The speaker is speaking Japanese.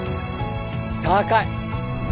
高い！